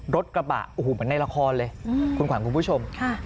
รถกระบะเหมือนในละครเลยคุณขวานคุณผู้ชม